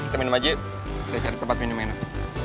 kita minum aja kayak cari tempat minum enak